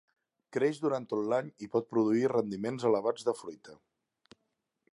Creix durant tot l'any i pot produir rendiments elevats de fruita.